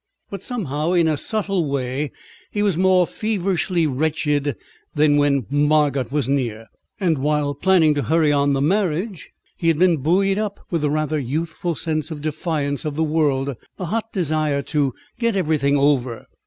But somehow, in a subtle way, he was more feverishly wretched than when Margot was near, and while planning to hurry on the marriage. He had been buoyed up with a rather youthful sense of defiance of the world, a hot desire to "get everything over."